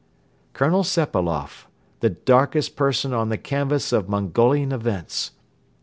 Colonel Sepailoff, the darkest person on the canvas of Mongolian events!